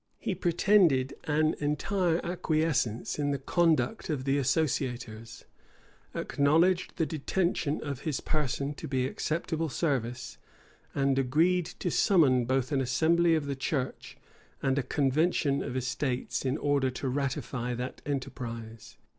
He pretended an entire acquiescence in the conduct of the associators; acknowledged the detention of his person to be acceptable service; and agreed to summon both an assembly of the church and a convention of estates, in order to ratify that enterprise.